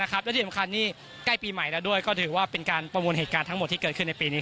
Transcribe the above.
และที่สำคัญกล้ายปีใหม่คือประมวลเหตุการณ์ที่เกิดขึ้นปีนี้